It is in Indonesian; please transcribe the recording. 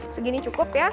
segini cukup ya